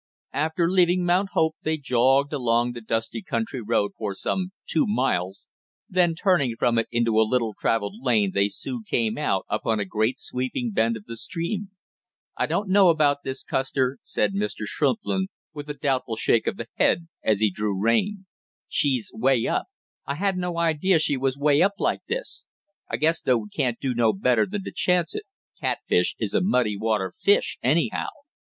After leaving Mount Hope they jogged along the dusty country road for some two miles, then turning from it into a little traveled lane they soon came out upon a great sweeping bend of the stream. "I don't know about this, Custer," said Mr. Shrimplin, with a doubtful shake of the head, as he drew rein. "She's way up. I had no idea she was way up like this; I guess though we can't do no better than to chance it, catfish is a muddy water fish, anyhow."